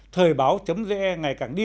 thời báo vn ngày càng điên